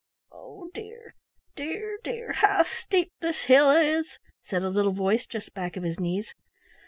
"Oh dear, dear, dear! How steep this hill is!" said a little voice just back of his knees.